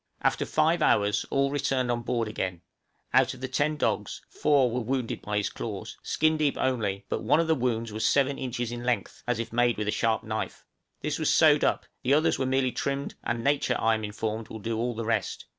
After five hours all returned on board again; out of the ten dogs four were wounded by his claws, skin deep only, but one of the wounds was seven inches in length, as if made with a sharp knife! this was sewed up, the others were merely trimmed, and nature, I am informed, will do all the rest.